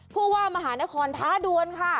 ผู้ว่ามหานครท้าดวนค่ะ